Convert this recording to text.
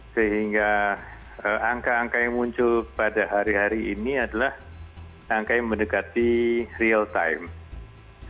sehingga angka angka yang muncul pada hari hari ini adalah angka yang mendekati real time